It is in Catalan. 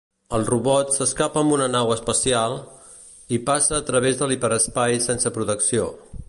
El robot s'escapa amb una nau espacial, i passa a través de l'hiperespai sense protecció.